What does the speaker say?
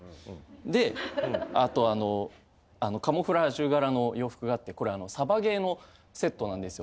であとカモフラージュ柄の洋服があってこれあのサバゲーのセットなんですよ。